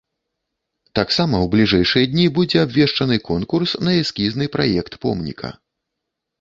Таксама ў бліжэйшыя дні будзе абвешчаны конкурс на эскізны праект помніка.